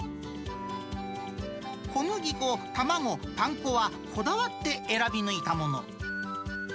小麦粉、卵、パン粉はこだわって選び抜いたもの。